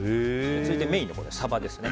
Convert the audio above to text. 続いて、メインのサバですね。